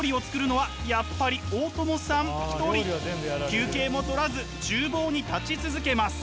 休憩も取らず厨房に立ち続けます。